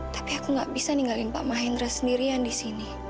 tapi aku gak bisa ninggalin pak mahendra sendirian disini